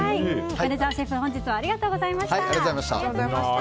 米澤シェフ本日はありがとうございました。